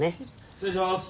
失礼します。